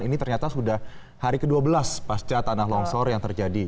ini ternyata sudah hari ke dua belas pasca tanah longsor yang terjadi